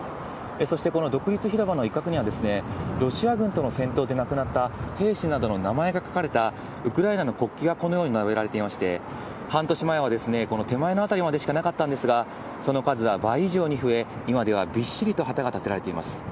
そしてこの独立広場の一角には、ロシア軍との戦闘で亡くなった兵士などの名前が書かれたウクライナの国旗がこのように並べられていまして、半年前はこの手前の辺りまでしかなかったんですが、その数は倍以上に増え、今ではびっしりと旗が立てられています。